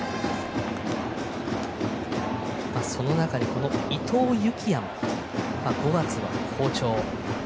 その中で伊藤裕季也５月は好調。